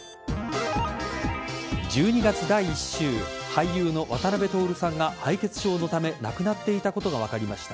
１２月第１週俳優の渡辺徹さんが敗血症のため亡くなっていたことが分かりました。